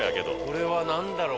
これはなんだろう？